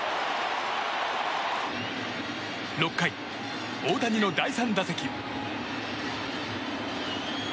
６回、大谷の第３打席。